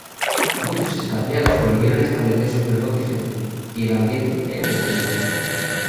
Muchos expatriados volvieron a establecer sus negocios allí y el ambiente era de optimismo.